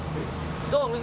どう？